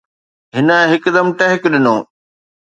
هن هڪدم ٽهڪ ڏنو.